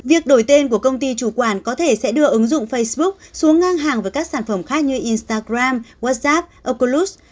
việc đổi tên của công ty chủ quản có thể sẽ đưa ứng dụng facebook xuống ngang hàng với các sản phẩm khác như instagram whatsapp ocoloos